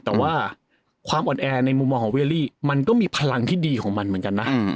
แต่ว่าความอ่อนแอในมุมมองของเวลลี่มันก็มีพลังที่ดีของมันเหมือนกันนะ